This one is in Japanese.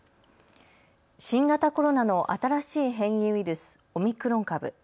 新型コロナの新しい変異ウイルス、オミクロン株。